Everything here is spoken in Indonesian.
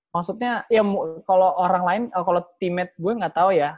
maksudnya ya kalau orang lain kalau teammate gue nggak tahu ya